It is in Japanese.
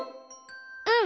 うん。